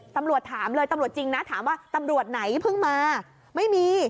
ตำรวจถามเลยตำรวจจริงนะถามว่าตำรวจไหนเพิ่งมาไม่มี